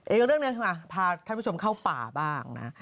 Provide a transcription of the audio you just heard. เออเรื่องนี้มาพาท่านผู้ชมเข้าป่าบ้างนะ